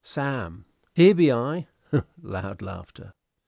Sam. Here be I. (Loud laughter.)